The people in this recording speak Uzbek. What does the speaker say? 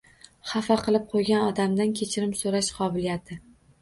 Xafa qilib qo‘ygan odamidan kechirim so‘rash qobiliyati